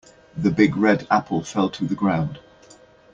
The big red apple fell to the ground.